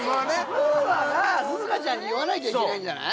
ムーアが涼香ちゃんに言わなきゃいけないんじゃない？